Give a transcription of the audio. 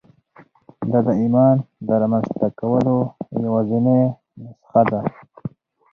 دا د ایمان د رامنځته کولو یوازېنۍ نسخه ده